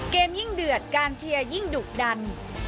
ยิ่งเดือดการเชียร์ยิ่งดุดัน